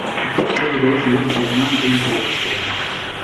Ev roj weke cejnan tên pîrozkirin.